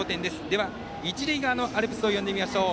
では、一塁側のアルプスを呼んでみましょう。